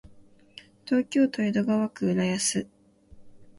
東京都江戸川区浦安